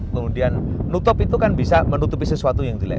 kemudian nutup itu kan bisa menutupi sesuatu yang jelek